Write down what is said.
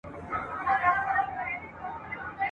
له مرګي یې وو اوزګړی وېرولی ..